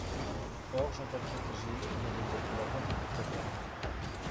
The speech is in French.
Or Jean-Patrick Gille vient de dire que l’attente était très forte.